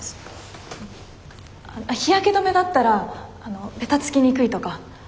日焼け止めだったらベタつきにくいとか。